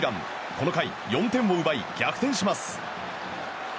この回、４点を奪い逆転します。